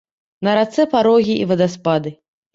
На рацэ парогі і вадаспады.